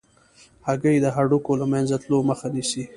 هګۍ د هډوکو له منځه تلو مخه نیسي.